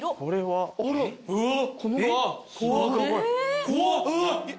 怖っ！